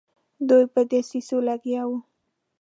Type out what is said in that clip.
دوی په دسیسو لګیا وه.